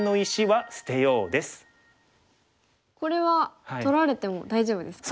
これは取られても大丈夫ですか？